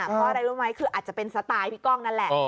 เพราะอะไรรู้ไหมคืออาจจะเป็นสไตล์พี่ก้องนั่นแหละ